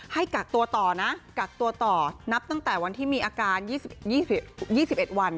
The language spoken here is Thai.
ให้กักตัวต่อนะกักตัวต่อนับตั้งแต่วันที่มีอาการ๒๑วัน